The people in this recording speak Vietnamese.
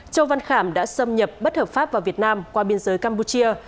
châu văn khảm đã xâm nhập bất hợp pháp vào việt nam qua biên giới campuchia